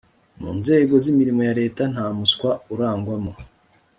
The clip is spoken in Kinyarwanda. mu nzego z imirimo ya leta nta muswa urangwamo